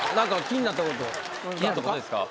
気になったことですか？